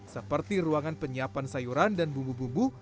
seperti ruangan penyiapan sayuran dan bumbu bumbu